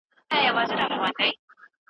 توري د ټایپ له تصویر اخیستنې وروسته څرګندیږي.